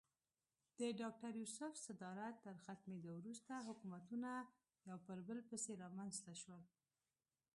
د ډاکټر یوسف صدارت تر ختمېدو وروسته حکومتونه یو پر بل پسې رامنځته شول.